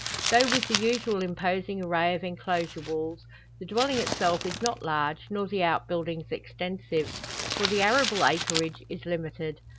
Though with the usual imposing array of enclosure walls, the dwelling itself is not large nor the outbuildings extensive; for the arable acreage is limited.